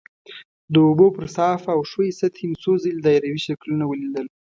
د اوبو پر صافه او ښویې سطحې مو څو ځلې دایروي شکلونه ولیدل.